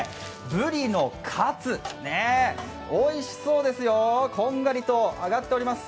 ブリのカツ、おいしそうですよ、こんがりと揚がっております。